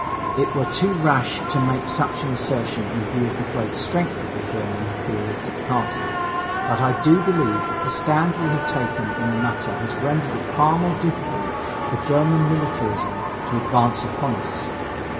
It were too rash to make such an assertion in view of the great strength of the German imperialistic party. But I do believe that the stand we have taken in the matter has rendered it far more difficult for German militarism to advance upon us.